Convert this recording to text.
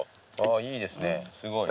いいですねすごい。